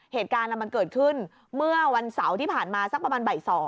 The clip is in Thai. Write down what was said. เหตุการณ์มันเกิดขึ้นเมื่อวันเสาร์ที่ผ่านมาสักประมาณบ่าย๒